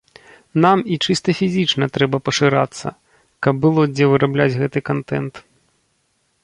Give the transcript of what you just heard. Нам і чыста фізічна трэба пашырацца, каб было дзе вырабляць гэты кантэнт.